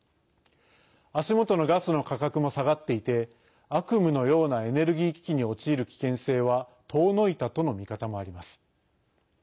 足元のガスの価格も下がっていて悪夢のようなエネルギー危機に陥る危険性は遠のいたとの見方もあります。